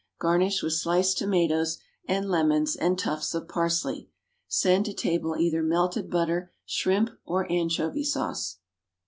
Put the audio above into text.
Garnish with sliced tomatoes and lemons, and tufts of parsley. Send to table either melted butter, shrimp, or anchovy sauce.